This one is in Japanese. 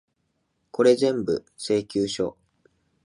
これぜんぶ、請求書。